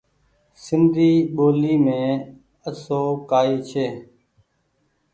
سندي ٻولي مين آسو ڪآئي ڇي۔